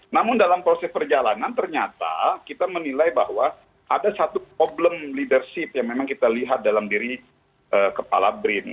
namun dalam proses perjalanan ternyata kita menilai bahwa ada satu problem leadership yang memang kita lihat dalam diri kepala brin